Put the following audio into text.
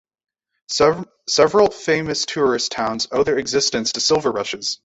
Several famous tourist towns owe their existence to silver rushes.